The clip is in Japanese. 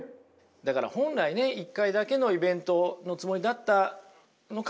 だから本来ね１回だけのイベントのつもりだったのかもしれません。